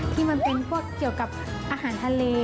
ที่มันเป็นพวกเกี่ยวกับอาหารทะเล